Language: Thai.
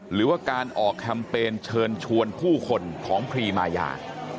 หรือว่าการออกแคมเปญเชิญชวนผู้คนของพรีมายา